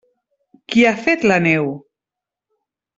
Qui ha fet la neu?